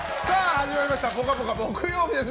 始まりました「ぽかぽか」木曜日です。